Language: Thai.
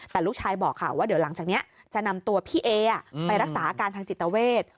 แต่ลูกชายบอกค่ะว่าเดี๋ยวหลังจากนี้จะนำตัวพี่เอไปรักษาอาการทางจิตเวท